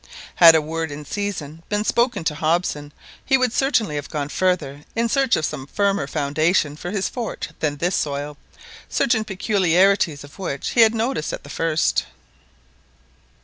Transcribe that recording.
Had a word in season been spoken to Hobson he would certainly have gone farther in search of some firmer foundation for his fort than this soil, certain peculiarities of which he had noticed at the first.